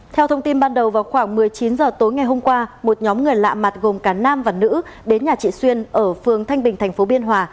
theo thông tin ban đầu vào khoảng một mươi chín h tối ngày hôm qua một nhóm người lạ mặt gồm cả nam và nữ đến nhà chị xuyên ở phường thanh bình thành phố biên hòa